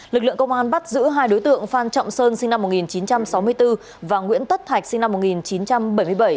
lực lượng công an bắt giữ hai đối tượng phan trọng sơn sinh năm một nghìn chín trăm sáu mươi bốn và nguyễn tất thạch sinh năm một nghìn chín trăm bảy mươi bảy